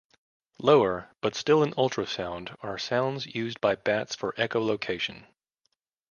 Lower, but still in ultrasound, are sounds used by bats for echolocation.